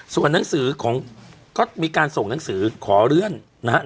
ส่วนหนังสือของก็มีการส่งหนังสือขอเลื่อนนะครับ